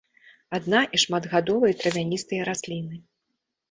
Адна- і шматгадовыя травяністыя расліны.